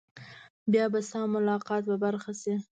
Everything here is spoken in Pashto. بیا به ستا ملاقات په برخه شي.